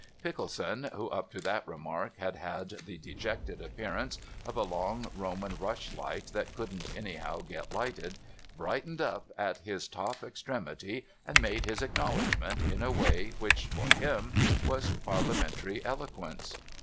Pickleson, who up to that remark had had the dejected appearance of a long Roman rushlight that couldn't any how get lighted, brightened up at his top extremity, and made his acknowledgments in a way which (for him) was parliamentary eloquence.